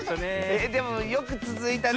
えでもよくつづいたね。